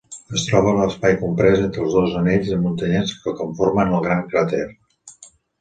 Es troba a l'espai comprès entre els dos anells muntanyencs que conformen el gran cràter.